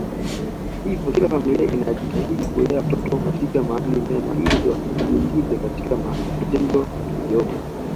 Hivyo kila familia inajitahidi kulea watoto katika maadili mema ili wasijiingize katika vitendo viovu